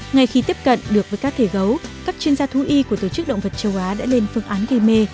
ngay khi tiếp cận được với cá thể gấu các chuyên gia thú y của tổ chức động vật châu á đã lên phương án gây mê